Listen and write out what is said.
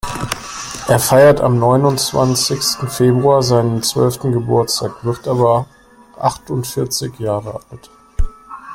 Er feiert am neunundzwanzigsten Februar seinen zwölften Geburtstag, wird aber achtundvierzig Jahre alt.